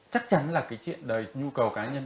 chắc chắn là cái chuyện đời nhu cầu cá nhân